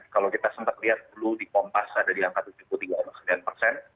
kalau kita sempat lihat dulu di pompas ada di angka tujuh puluh tiga sembilan persen